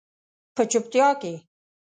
په چوپتیا کې